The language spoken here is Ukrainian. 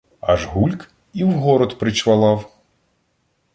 Аж гульк — і в город причвалав.